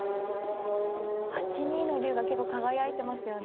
８二の竜が結構輝いてますよね。